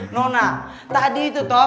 nona tadi itu tuh